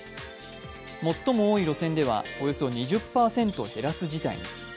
最も多い路線ではおよそ２０％減らす事態に。